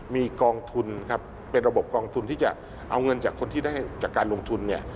มีกองทุนครับเป็นระบบกองทุนที่จะเอาเงินจากคนที่ได้จากการลงทุนเนี่ย